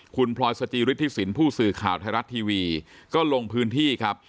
คุณพลอยสจิฤทธิสินผู้สื่อข่าวไทยรัฐทีวีก็ลงพื้นที่ครับ